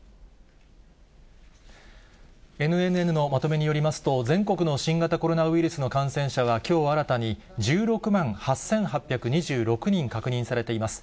ＮＮＮのまとめによりますと、全国の新型コロナウイルスの感染者は、きょう新たに１６万８８２６人確認されています。